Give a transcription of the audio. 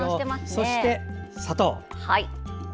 そして、砂糖。